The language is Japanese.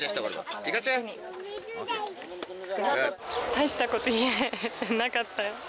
大したこと言えなかったよ。